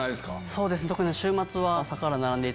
そうですね。